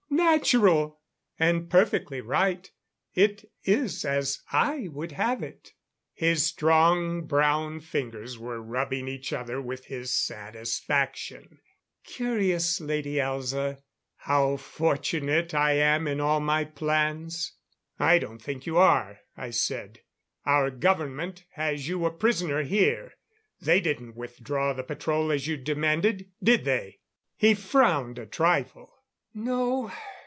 Natural! And perfectly right. It is as I would have it." His strong brown fingers were rubbing each other with his satisfaction. "Curious, Lady Elza how fortunate I am in all my plans." "I don't think you are," I said. "Our government has you a prisoner here. They didn't withdraw the patrol as you demanded, did they?" He frowned a trifle. "No.